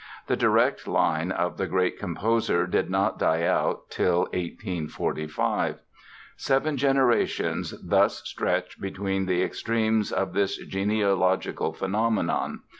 The direct line of the great composer did not die out till 1845. Seven generations thus stretch between the extremes of this genealogical phenomenon.